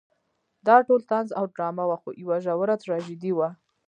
دا ټول طنز او ډرامه وه خو یوه ژوره تراژیدي وه.